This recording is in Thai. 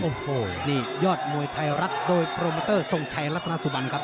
โอ้โหนี่ยอดมวยไทยรัฐโดยโปรโมเตอร์ทรงชัยรัฐนาสุบันครับ